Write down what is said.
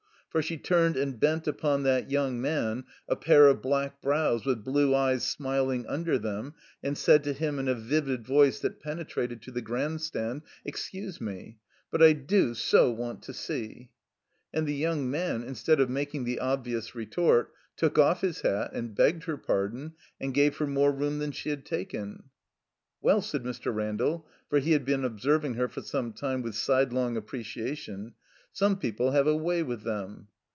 For she turned and bent upon that yotmg man a pair of black brows with blue eyes smiling tmder them, and said to him in a vivid voice that penetrated to the Grand Stand, "Excuse me, but I do so want to see." And the yotmg man, instead of making the obvious retort, took off his hat and begged her pardon and gave her more room than she had taken. " WeU," said Mr. Randall (for he had been observ ing her for some time with sidelong appreciation), "some people have a way with them."